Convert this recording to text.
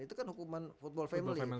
itu kan hukuman football family